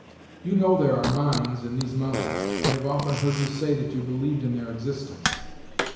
You know there are mines in these mountains; I have often heard you say that you believed in their existence."